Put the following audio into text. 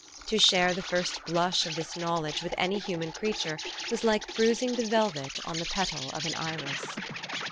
To share the first blush of this knowledge with any human creature was like bruising the velvet on the petal of an iris.